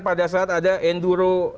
pada saat ada enduro